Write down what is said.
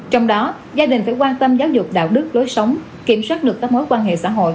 trong đó gia đình phải quan tâm giáo dục đạo đức lối sống kiểm soát được các mối quan hệ xã hội